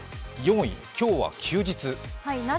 ４位、今日は休日。